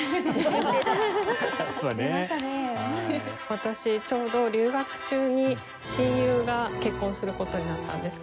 私ちょうど留学中に親友が結婚する事になったんですけれども。